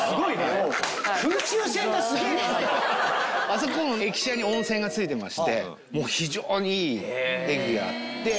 あそこも駅舎に温泉がついてましてもう非常にいい駅があって。